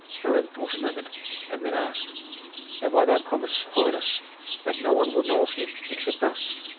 Hiram thought a moment and then asked, "Have I thy promise, holiness, that no one will know of him except us?